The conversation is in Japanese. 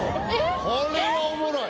・これはおもろい。